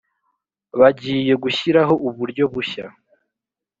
bagiye gushyiraho uburyo bushya.